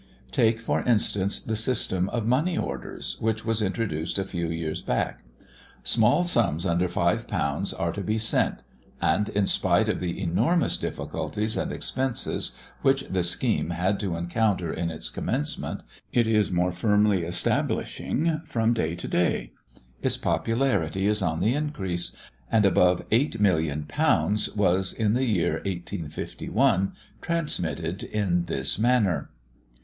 Take, for instance, the system of money orders, which was introduced a few years back. Small sums under £5 are to be sent; and in spite of the enormous difficulties and expenses which the scheme had to encounter in its commencement, it is more firmly establishing from day to day; its popularity is on the increase, and above £8,000,000 was, in the year 1851, transmitted in this manner.